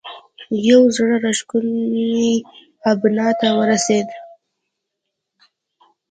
یوه زړه راښکونې ابنا ته ورسېد.